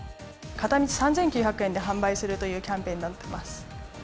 片道３９００円で販売するというキャンペーンになってます。